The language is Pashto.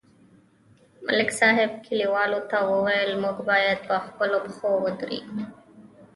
ملک صاحب کلیوالو ته وویل: موږ باید په خپلو پښو ودرېږو